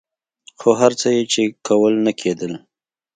خو هر څه یې چې کول نه کېدل.